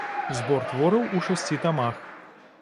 Збор твораў у шасці тамах.